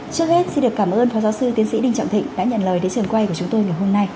trước hết xin được cảm ơn phó giáo sư tiến sĩ đinh trọng thịnh đã nhận lời đến trường quay của chúng tôi ngày hôm nay